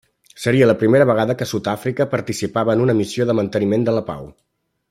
Seria la primera vegada que Sud-àfrica participava en una missió de manteniment de la pau.